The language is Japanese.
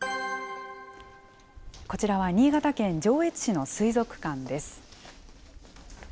こちらは新潟県上越市の水族館です。